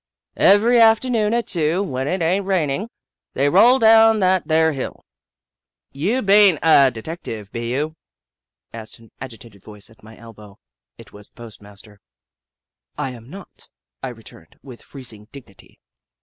" Every afternoon at two, when it ain't raining, they roll down that there hill." " You be n't a detective, be you ?" asked an agitated voice at my elbow. It was the post master. " I am not," I returned, with freezing dig nity.